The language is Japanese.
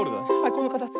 このかたち。